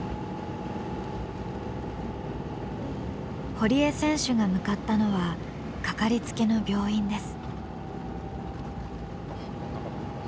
堀江選手が向かったのは掛かりつけの病院です。